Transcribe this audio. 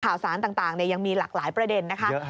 ข่าวสารต่างยังมีหลากหลายประเด็นนะคะ